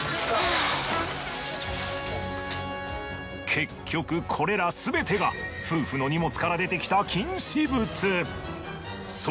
結局これらすべてが夫婦の荷物から出てきた禁止物。